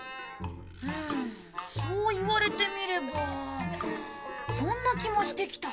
うんそう言われてみればそんな気もしてきた。